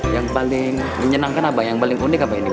yang paling menyenangkan apa yang paling unik apa ini